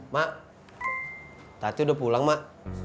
mak tati udah pulang mak